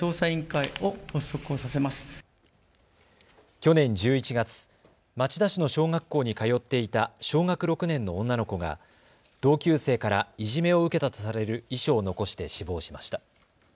去年１１月、町田市の小学校に通っていた小学６年の女の子が同級生からいじめを受けたとされる遺書を残して死亡しました。